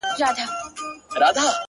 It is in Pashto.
لکه نغمه لکه سيتار خبري ډيري ښې دي،